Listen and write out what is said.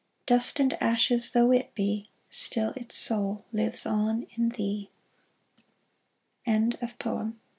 Dust and ashes though it be, Still its soul lives on in thee."